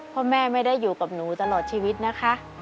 เพราะแม่ไม่ได้อยู่กับหนูตลอดชีวิตนะคะ